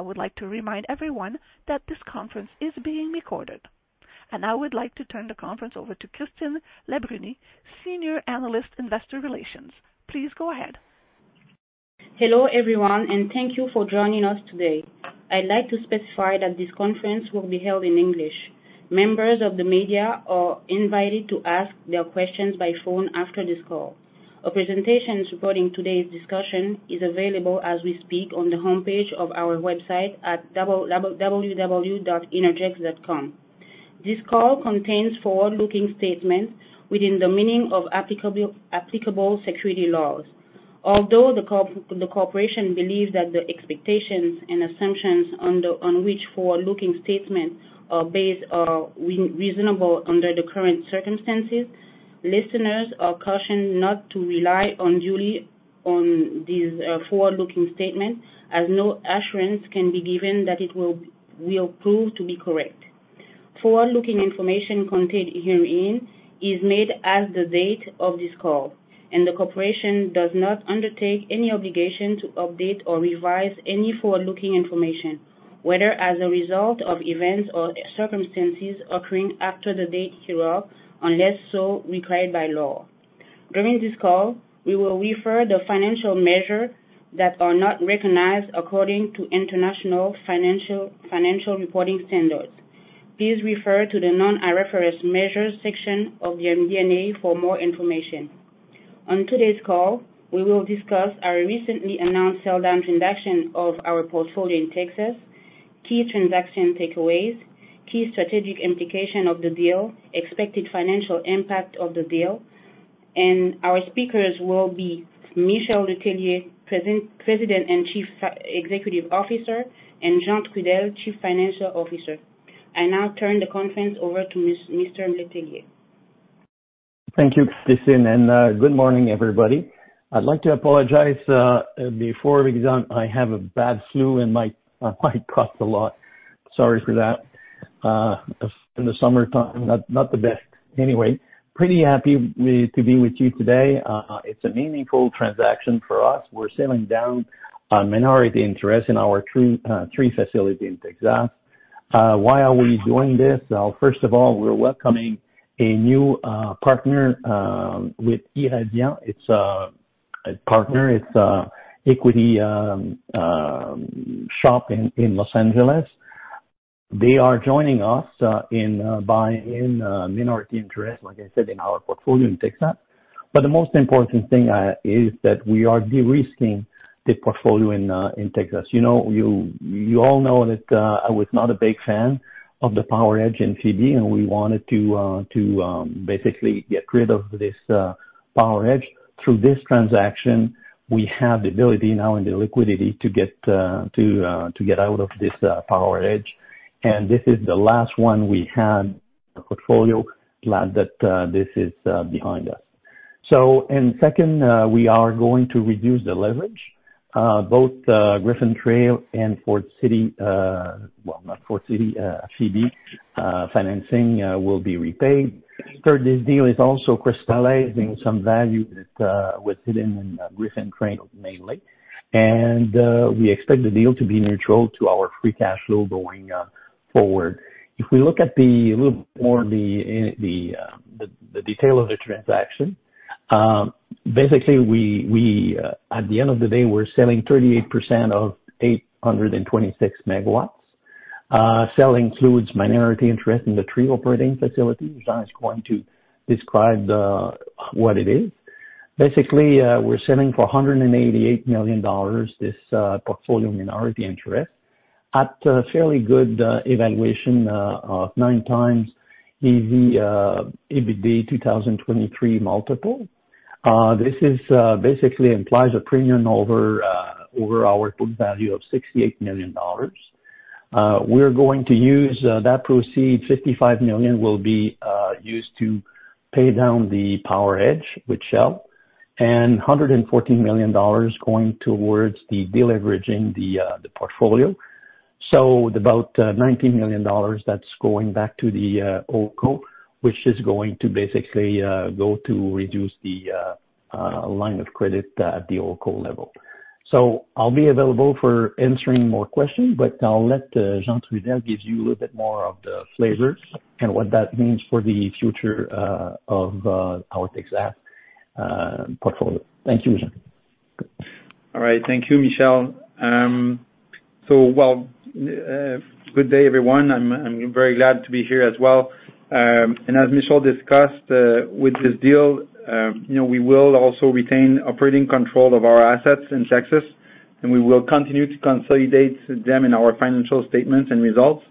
I would like to remind everyone that this conference is being recorded, and I would like to turn the conference over to Kristine Labrunye, Senior Analyst, Investor Relations. Please go ahead. Hello everyone, and thank you for joining us today. I'd like to specify that this conference will be held in English. Members of the media are invited to ask their questions by phone after this call. A presentation supporting today's discussion is available as we speak on the homepage of our website at www.innergex.com. This call contains forward-looking statements within the meaning of applicable securities laws. Although the corporation believes that the expectations and assumptions on which forward-looking statements are based are reasonable under the current circumstances, listeners are cautioned not to rely unduly on these forward-looking statements, as no assurance can be given that it will prove to be correct. Forward-looking information contained herein is made as of the date of this call, and the corporation does not undertake any obligation to update or revise any forward-looking information, whether as a result of events or circumstances occurring after the date hereof, unless so required by law. During this call, we will refer to the financial measures that are not recognized according to International Financial Reporting Standards. Please refer to the non-IFRS measures section of the MD&A for more information. On today's call, we will discuss our recently announced sell-down transaction of our portfolio in Texas, key transaction takeaways, key strategic implications of the deal, expected financial impact of the deal, and our speakers will be Michel Letellier, President and Chief Executive Officer, and Jean Trudel, Chief Financial Officer. I now turn the conference over to Mr. Letellier. Thank you, Kristine, and good morning, everybody. I'd like to apologize before we get on. I have a bad flu and my mic cuts a lot. Sorry for that. In the summertime, not the best. Anyway, pretty happy to be with you today. It's a meaningful transaction for us. We're selling down a minority interest in our three facilities in Texas. Why are we doing this? Well, first of all, we're welcoming a new partner with Irradiant. It's a partner. It's an equity shop in Los Angeles. They are joining us in buying minority interest, like I said, in our portfolio in Texas. But the most important thing is that we are de-risking the portfolio in Texas. You all know that I was not a big fan of the power hedge in Phoebe, and we wanted to basically get rid of this power hedge. Through this transaction, we have the ability now and the liquidity to get out of this power hedge. And this is the last one we had in the portfolio that this is behind us. So, and second, we are going to reduce the leverage. Both Griffin Trail and Foard City, well, not Foard City, Phoebe financing will be repaid. Third, this deal is also crystallizing some value that was hidden in Griffin Trail mainly. And we expect the deal to be neutral to our free cash flow going forward. If we look at the little more of the detail of the transaction, basically, at the end of the day, we're selling 38% of 826 MW. Selling includes minority interest in the three operating facilities. John is going to describe what it is. Basically, we're selling for $188 million this portfolio minority interest at a fairly good valuation of 9x EBITDA 2023 multiple. This basically implies a premium over our book value of $68 million. We're going to use that proceeds. $55 million will be used to pay down the power hedge, which we'll, and $114 million going towards the deleveraging of the portfolio. So, about $19 million that's going back to the corporate, which is going to basically go to reduce the line of credit at the corporate level. So, I'll be available for answering more questions, but I'll let Jean Trudel give you a little bit more of the flavors and what that means for the future of our Texas portfolio. Thank you, Jean. All right. Thank you, Michel. So, well, good day, everyone. I'm very glad to be here as well. And as Michel discussed, with this deal, we will also retain operating control of our assets in Texas, and we will continue to consolidate them in our financial statements and results.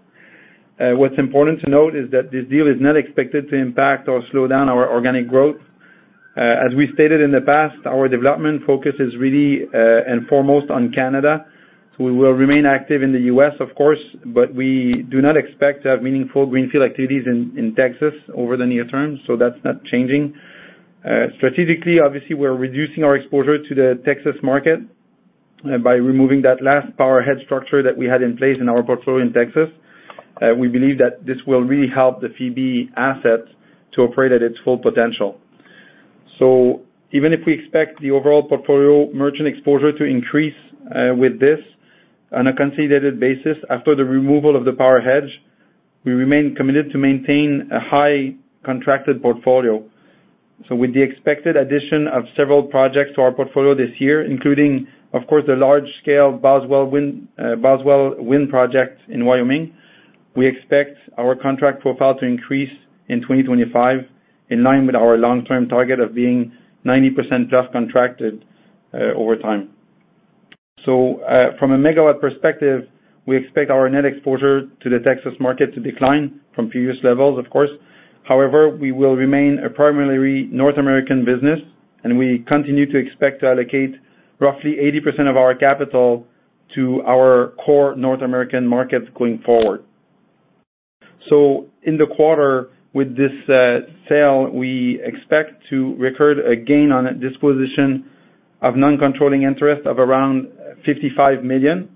What's important to note is that this deal is not expected to impact or slow down our organic growth. As we stated in the past, our development focus is really and foremost on Canada. So, we will remain active in the U.S., of course, but we do not expect to have meaningful greenfield activities in Texas over the near term. So, that's not changing. Strategically, obviously, we're reducing our exposure to the Texas market by removing that last power hedge structure that we had in place in our portfolio in Texas. We believe that this will really help the Phoebe asset to operate at its full potential. Even if we expect the overall portfolio merchant exposure to increase with this on a consolidated basis, after the removal of the power hedge, we remain committed to maintain a high contracted portfolio. With the expected addition of several projects to our portfolio this year, including, of course, the large-scale Boswell Wind project in Wyoming, we expect our contract profile to increase in 2025 in line with our long-term target of being 90%+ contracted over time. From a megawatt perspective, we expect our net exposure to the Texas market to decline from previous levels, of course. However, we will remain a primarily North American business, and we continue to expect to allocate roughly 80% of our capital to our core North American markets going forward. In the quarter, with this sale, we expect to record a gain on disposition of non-controlling interest of around $55 million.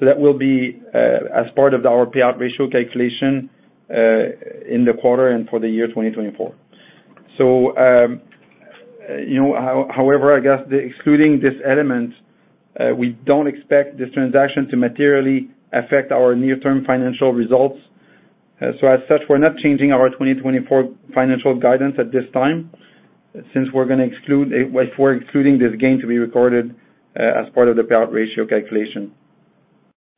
That will be as part of our payout ratio calculation in the quarter and for the year 2024. However, I guess excluding this element, we don't expect this transaction to materially affect our near-term financial results. As such, we're not changing our 2024 financial guidance at this time since we're going to exclude if we're excluding this gain to be recorded as part of the payout ratio calculation.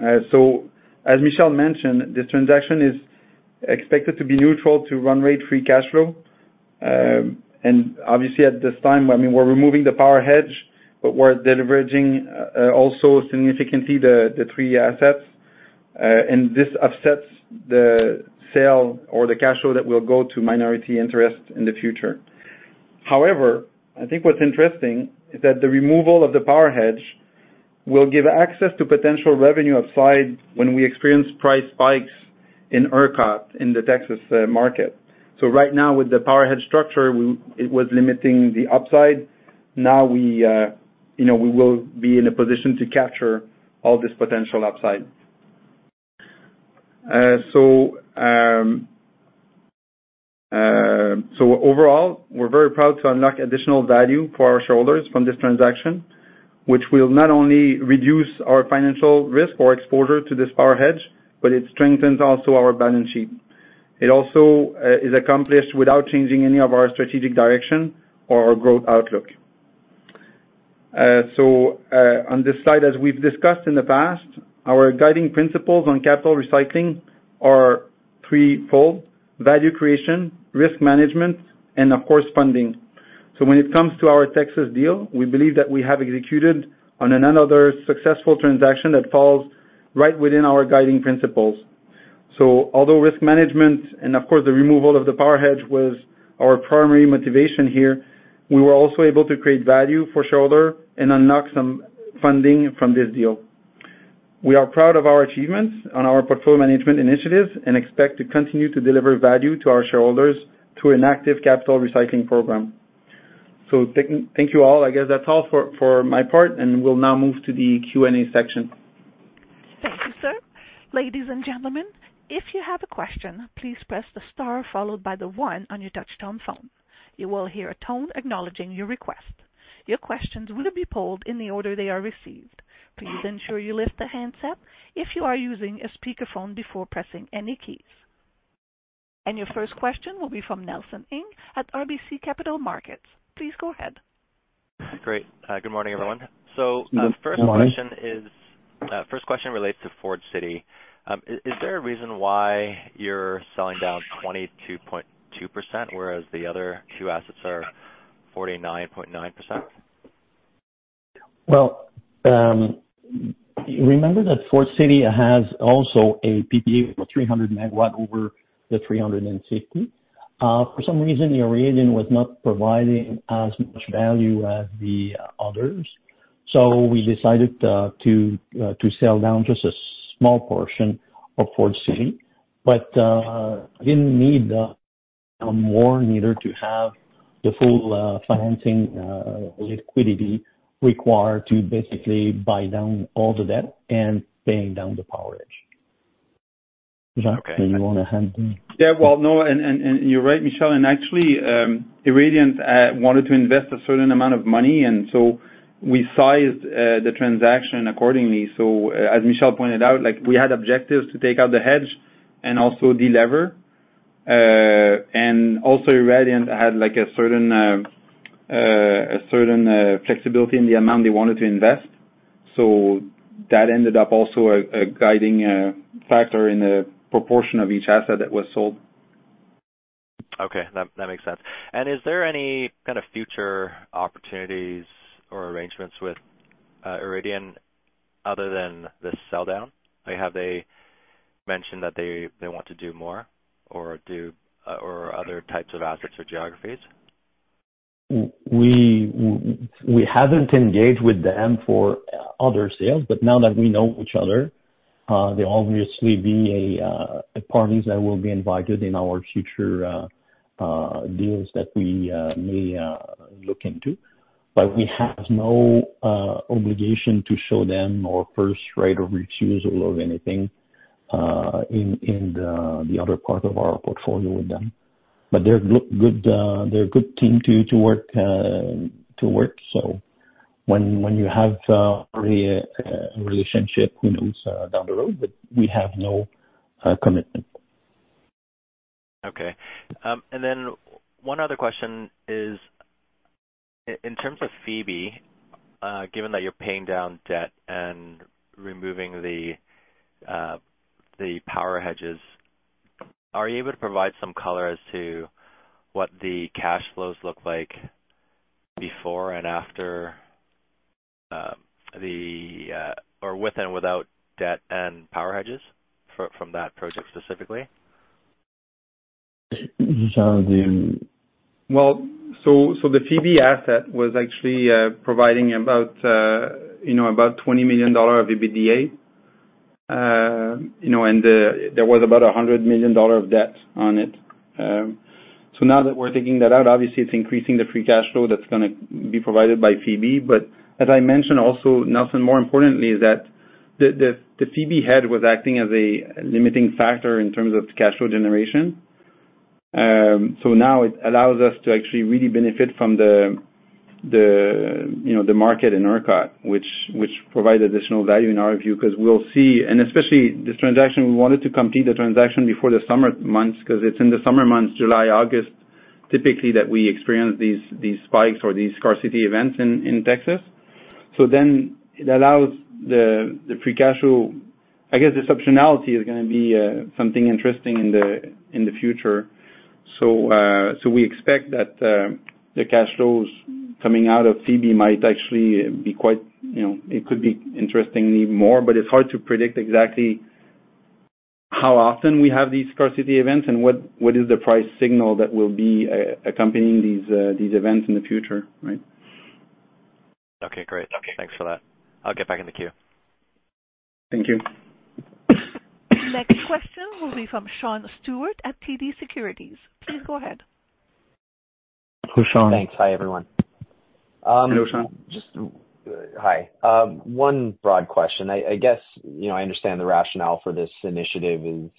As Michel mentioned, this transaction is expected to be neutral to run rate free cash flow. Obviously, at this time, I mean, we're removing the power hedge, but we're deleveraging also significantly the three assets. This offsets the sale or the cash flow that will go to minority interest in the future. However, I think what's interesting is that the removal of the power hedge will give access to potential revenue upside when we experience price spikes in ERCOT in the Texas market. So, right now, with the power hedge structure, it was limiting the upside. Now, we will be in a position to capture all this potential upside. So, overall, we're very proud to unlock additional value for our shareholders from this transaction, which will not only reduce our financial risk or exposure to this power hedge, but it strengthens also our balance sheet. It also is accomplished without changing any of our strategic direction or our growth outlook. So, on this slide, as we've discussed in the past, our guiding principles on capital recycling are threefold: value creation, risk management, and, of course, funding. So, when it comes to our Texas deal, we believe that we have executed on another successful transaction that falls right within our guiding principles. So, although risk management and, of course, the removal of the power hedge was our primary motivation here, we were also able to create value for shareholders and unlock some funding from this deal. We are proud of our achievements on our portfolio management initiatives and expect to continue to deliver value to our shareholders through an active capital recycling program. So, thank you all. I guess that's all for my part, and we'll now move to the Q&A section. Thank you, sir. Ladies and gentlemen, if you have a question, please press the star followed by the one on your touch-tone phone. You will hear a tone acknowledging your request. Your questions will be polled in the order they are received. Please ensure you lift the handset up if you are using a speakerphone before pressing any keys. Your first question will be from Nelson Ng at RBC Capital Markets. Please go ahead. Great. Good morning, everyone. So, the first question relates to Foard City. Is there a reason why you're selling down 22.2%, whereas the other two assets are 49.9%? Well, remember that Foard City has also a Phoebe of 300 MW over the 350. For some reason, the Irradiant was not providing as much value as the others. So, we decided to sell down just a small portion of Foard City but didn't need more neither to have the full financing liquidity required to basically buy down all the debt and paying down the power hedge. Is that okay? Do you want to handle? Yeah, well, no, and you're right, Michel. Actually, Irradiant wanted to invest a certain amount of money, and so we sized the transaction accordingly. So, as Michel pointed out, we had objectives to take out the hedge and also delever. Also, Irradiant had a certain flexibility in the amount they wanted to invest. So, that ended up also a guiding factor in the proportion of each asset that was sold. Okay. That makes sense. Is there any kind of future opportunities or arrangements with Irradiant other than this sell-down? Have they mentioned that they want to do more or other types of assets or geographies? We haven't engaged with them for other sales, but now that we know each other, there will obviously be parties that will be invited in our future deals that we may look into. But we have no obligation to show them our right of first refusal or anything in the other part of our portfolio with them. But they're a good team to work. So, when you have a relationship, who knows down the road, but we have no commitment. Okay. And then one other question is, in terms of Phoebe, given that you're paying down debt and removing the power hedges, are you able to provide some color as to what the cash flows look like before and after the or with and without debt and power hedges from that project specifically? Well, so the Phoebe asset was actually providing about $20 million of EBITDA, and there was about $100 million of debt on it. So, now that we're taking that out, obviously, it's increasing the free cash flow that's going to be provided by Phoebe. But as I mentioned, also, Nelson, more importantly, is that the PPA hedge was acting as a limiting factor in terms of cash flow generation. So, now, it allows us to actually really benefit from the market in ERCOT, which provides additional value in our view because we'll see, and especially this transaction, we wanted to complete the transaction before the summer months because it's in the summer months, July, August, typically that we experience these spikes or these scarcity events in Texas. So, then it allows the free cash flow. I guess this optionality is going to be something interesting in the future. We expect that the cash flows coming out of PPA might actually be quite, it could be interestingly more, but it's hard to predict exactly how often we have these scarcity events and what is the price signal that will be accompanying these events in the future, right? Okay. Great. Thanks for that. I'll get back in the queue. Thank you. Next question will be from Sean Steuart at TD Securities. Please go ahead. Hello, Sean. Thanks. Hi, everyone. Hello, Sean. Hi. One broad question. I guess I understand the rationale for this initiative is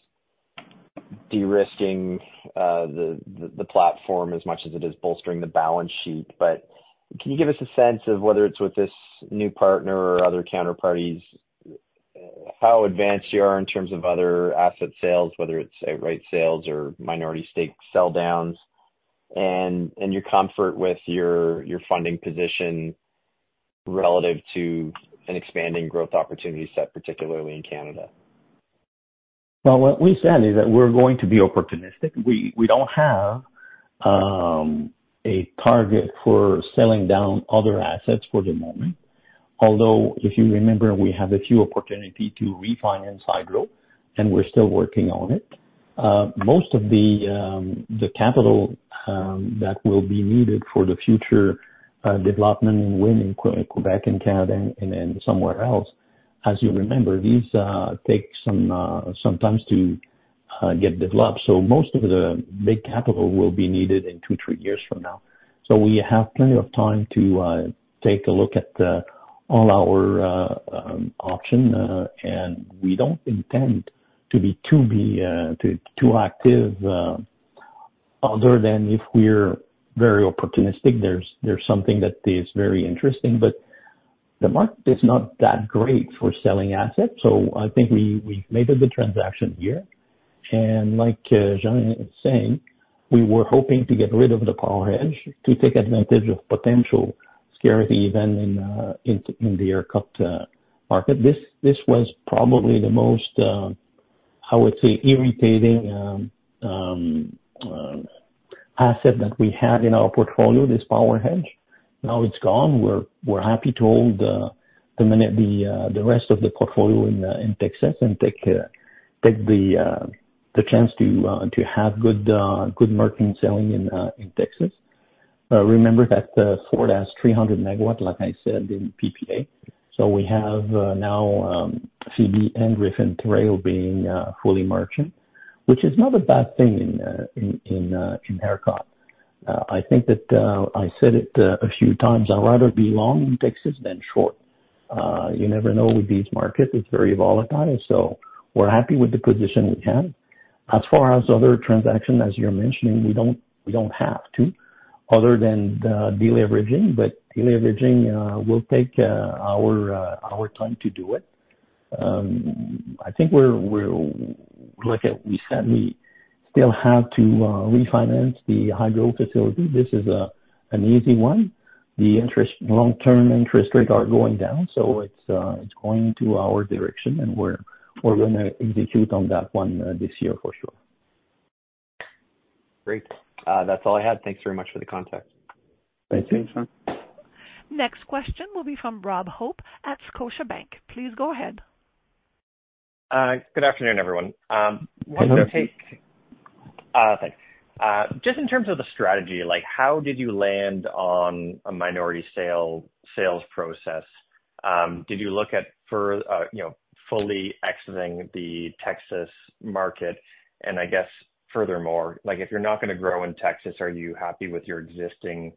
derisking the platform as much as it is bolstering the balance sheet. But can you give us a sense of whether it's with this new partner or other counterparties, how advanced you are in terms of other asset sales, whether it's rate sales or minority stake sell-downs, and your comfort with your funding position relative to an expanding growth opportunity set, particularly in Canada? Well, what we said is that we're going to be opportunistic. We don't have a target for selling down other assets for the moment. Although, if you remember, we have a few opportunities to refinance hydro, and we're still working on it. Most of the capital that will be needed for the future development and wind in Québec and Canada and somewhere else, as you remember, these take some time to get developed. So, most of the big capital will be needed in two, three years from now. So, we have plenty of time to take a look at all our options, and we don't intend to be too active other than if we're very opportunistic. There's something that is very interesting, but the market is not that great for selling assets. So, I think we've made the transaction here. And like Jean is saying, we were hoping to get rid of the power hedge to take advantage of potential scarcity event in the ERCOT market. This was probably the most, I would say, irritating asset that we had in our portfolio, this power hedge. Now it's gone. We're happy to hold the rest of the portfolio in Texas and take the chance to have good merchant selling in Texas. Remember that Foard has 300 MW, like I said, in PPA. So, we have now Phoebe and Griffin Trail being fully merchant, which is not a bad thing in ERCOT. I think that I said it a few times, I'd rather be long in Texas than short. You never know with these markets. It's very volatile. So, we're happy with the position we have. As far as other transactions, as you're mentioning, we don't have to other than deleveraging, but deleveraging will take our time to do it. I think we're like we said, we still have to refinance the hydro facility. This is an easy one. The long-term interest rates are going down, so it's going to our direction, and we're going to execute on that one this year for sure. Great. That's all I had. Thanks very much for the context. Right. Thanks, Sean. Next question will be from Rob Hope at Scotiabank. Please go ahead. Good afternoon, everyone. Good afternoon. Just in terms of the strategy, how did you land on a minority sales process? Did you look at fully exiting the Texas market? And I guess furthermore, if you're not going to grow in Texas, are you happy with your existing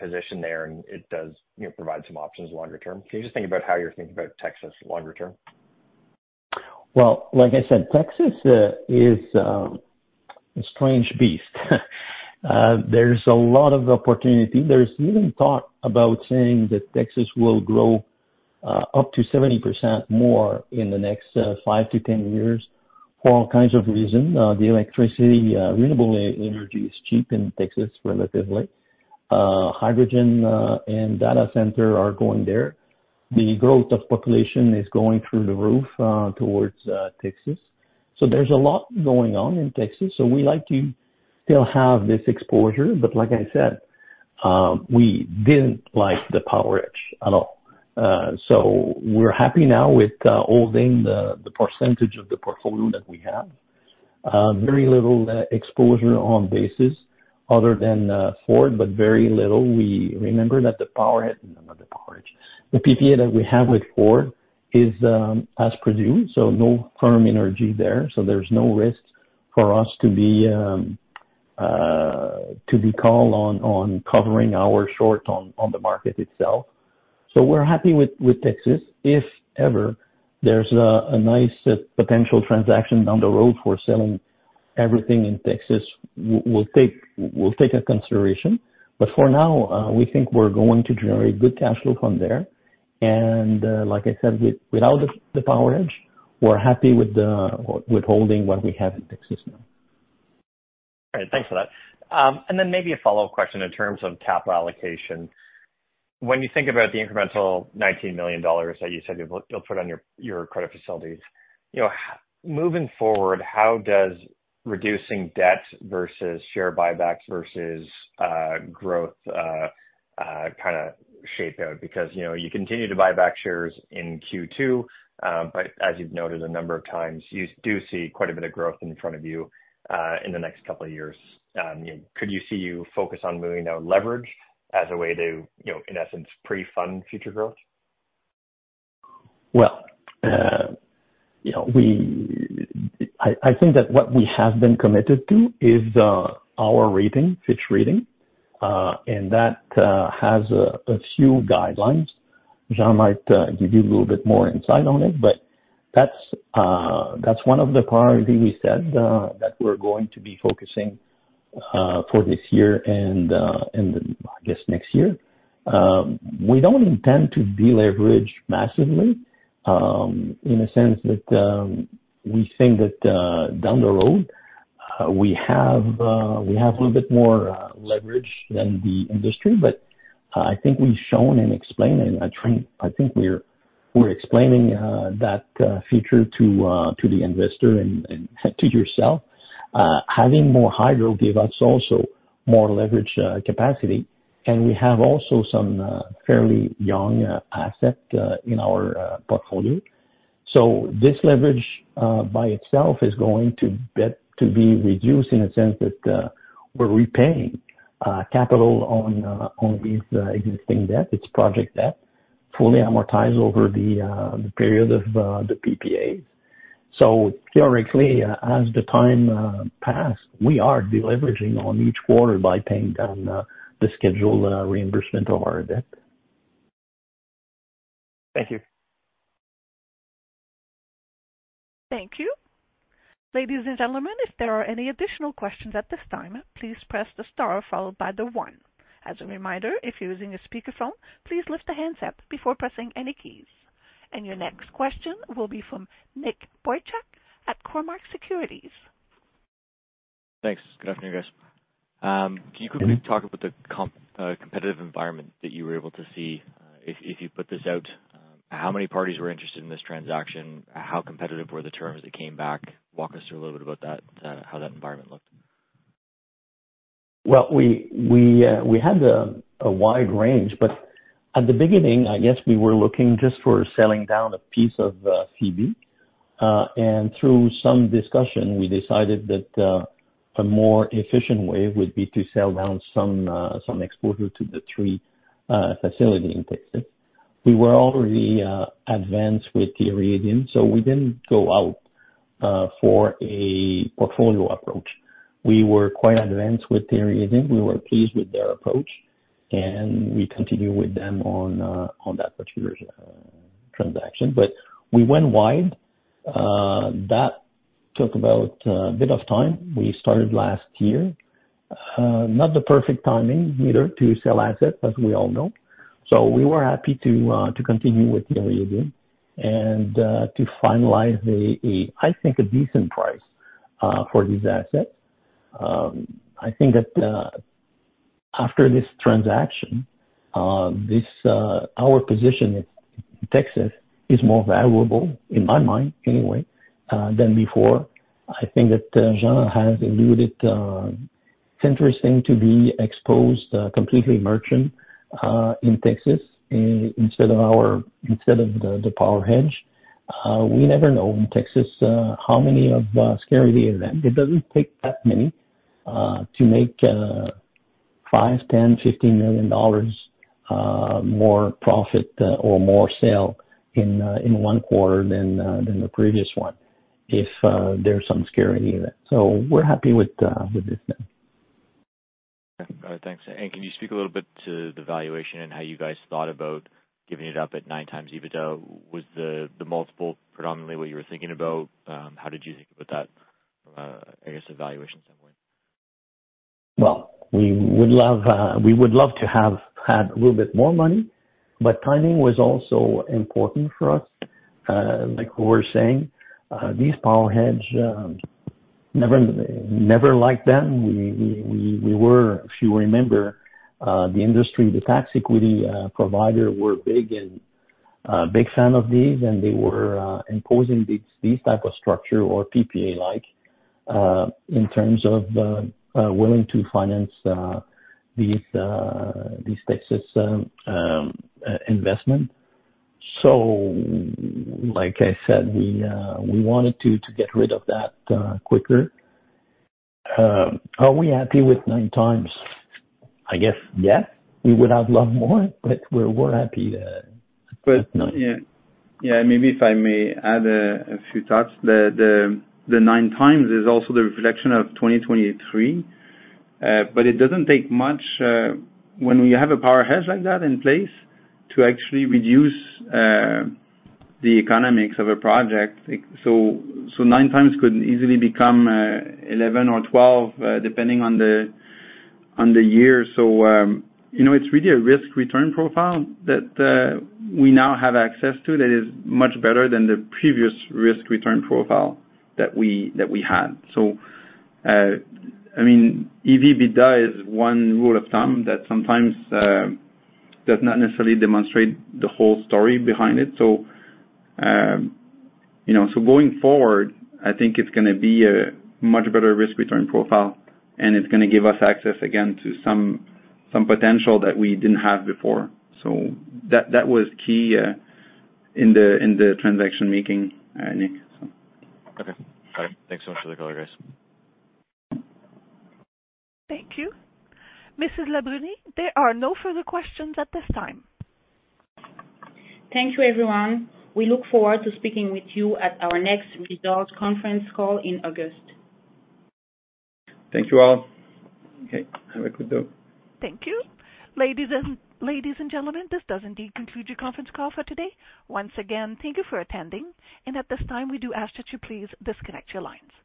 position there? And it does provide some options longer term. Can you just think about how you're thinking about Texas longer term? Well, like I said, Texas is a strange beast. There's a lot of opportunity. There's even talk about saying that Texas will grow up to 70% more in the next 5-10 years for all kinds of reasons. The electricity, renewable energy is cheap in Texas relatively. Hydrogen and data centers are going there. The growth of population is going through the roof towards Texas. So, there's a lot going on in Texas. So, we like to still have this exposure, but like I said, we didn't like the power hedge at all. So, we're happy now with holding the percentage of the portfolio that we have. Very little exposure on basis other than Foard, but very little. We remember that the power hedge the PPA that we have with Foard is as-produced, so no firm energy there. So, there's no risk for us to be called on covering our short on the market itself. So, we're happy with Texas. If ever there's a nice potential transaction down the road for selling everything in Texas, we'll take a consideration. But for now, we think we're going to generate good cash flow from there. And like I said, without the power hedge, we're happy with holding what we have in Texas now. All right. Thanks for that. And then maybe a follow-up question in terms of capital allocation. When you think about the incremental $19 million that you said you'll put on your credit facilities, moving forward, how does reducing debt versus share buybacks versus growth kind of shape out? Because you continue to buy back shares in Q2, but as you've noted a number of times, you do see quite a bit of growth in front of you in the next couple of years. Could you see you focus on moving down leverage as a way to, in essence, pre-fund future growth? Well, I think that what we have been committed to is our rating, Fitch Ratings, and that has a few guidelines. Jean might give you a little bit more insight on it, but that's one of the priorities we said that we're going to be focusing for this year and I guess next year. We don't intend to deleverage massively in the sense that we think that down the road we have a little bit more leverage than the industry, but I think we've shown and explained, and I think we're explaining that feature to the investor and to yourself. Having more hydro gave us also more leverage capacity, and we have also some fairly young assets in our portfolio. So, this leverage by itself is going to be reduced in the sense that we're repaying capital on these existing debts. It's project debt fully amortized over the period of the PPAs. So, theoretically, as the time passed, we are deleveraging on each quarter by paying down the scheduled reimbursement of our debt. Thank you. Thank you. Ladies and gentlemen, if there are any additional questions at this time, please press the star followed by the one. As a reminder, if you're using a speakerphone, please lift the hands up before pressing any keys. Your next question will be from Nick Boychuk at Cormark Securities. Thanks. Good afternoon, guys. Can you quickly talk about the competitive environment that you were able to see? If you put this out, how many parties were interested in this transaction? How competitive were the terms that came back? Walk us through a little bit about how that environment looked. Well, we had a wide range, but at the beginning, I guess we were looking just for selling down a piece of Phoebe. And through some discussion, we decided that a more efficient way would be to sell down some exposure to the three facilities in Texas. We were already advanced with Irradiant, so we didn't go out for a portfolio approach. We were quite advanced with Irradiant. We were pleased with their approach, and we continued with them on that particular transaction. But we went wide. That took about a bit of time. We started last year. Not the perfect timing either to sell assets, as we all know. So, we were happy to continue with Irradiant and to finalize a, I think, a decent price for these assets. I think that after this transaction, our position in Texas is more valuable, in my mind anyway, than before. I think that Jean has alluded it's interesting to be exposed completely merchant in Texas instead of the power hedge. We never know in Texas how many scarcity events. It doesn't take that many to make $5 million, $10 million, $15 million more profit or more sale in one quarter than the previous one if there's some scarcity event. So, we're happy with this now. All right. Thanks. And can you speak a little bit to the valuation and how you guys thought about giving it up at 9x EBITDA? Was the multiple predominantly what you were thinking about? How did you think about that, I guess, valuation standpoint? Well, we would love to have had a little bit more money, but timing was also important for us. Like we were saying, these power hedges, never liked them. We were, if you remember, the industry, the tax equity provider were a big fan of these, and they were imposing these types of structures or PPA-like in terms of willing to finance these Texas investments. So, like I said, we wanted to get rid of that quicker. Are we happy with 9x? I guess, yes. We would have loved more, but we're happy with 9x. Yeah. Yeah. Maybe if I may add a few thoughts. The 9x is also the reflection of 2023, but it doesn't take much when we have a power hedge like that in place to actually reduce the economics of a project. So, 9x could easily become 11x or 12x depending on the year. So, it's really a risk-return profile that we now have access to that is much better than the previous risk-return profile that we had. EBITDA is one rule of thumb that sometimes does not necessarily demonstrate the whole story behind it. So, going forward, I think it's going to be a much better risk-return profile, and it's going to give us access again to some potential that we didn't have before. So, that was key in the transaction making, Nick, so. Okay. Got it. Thanks so much for the call, guys. Thank you. Mrs. Labrunye, there are no further questions at this time. Thank you, everyone. We look forward to speaking with you at our next results conference call in August. Thank you all. Okay. Have a good day. Thank you. Ladies and gentlemen, this does indeed conclude your conference call for today. Once again, thank you for attending. At this time, we do ask that you please disconnect your lines.